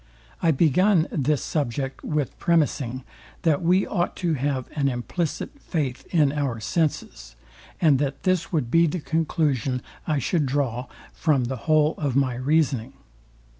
I begun this subject with premising, that we ought to have an implicit faith in our senses, and that this would be the conclusion, I should draw from the whole of my reasoning.